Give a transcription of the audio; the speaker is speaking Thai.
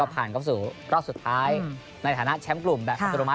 ผ่านเข้าสู่รอบสุดท้ายในฐานะแชมป์กลุ่ม